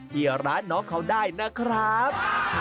ที่ร้านน้องเขาได้นะครับ